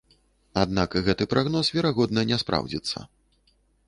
Аднак гэты прагноз верагодна не спраўдзіцца.